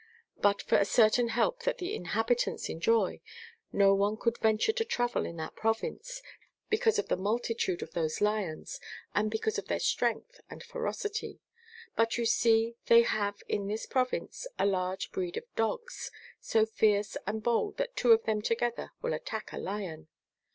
And but for a certain help that the inhabitants enjoy, no one could venture to travel in that province, because of the multitude of those lions, and because of their strength and ferocity. But you see they have in this province a large breed of dogs, so fierce and bold that two of them together will attack a lion."